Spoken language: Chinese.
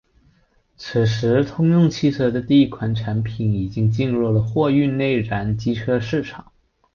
此时通用汽车的第一款产品已经进入了货运内燃机车市场。